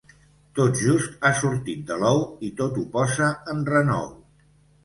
Tot just ha sortit de l'ou i tot ho posa en renou.